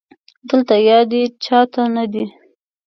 دلته يادې چا ته نه دي